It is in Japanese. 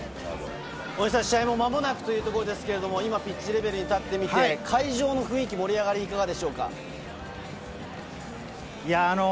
試合もまもなくというところですけれども、今ピッチレベルに立ってみて、会場の雰囲気、盛り上がり、いかがでしょうか？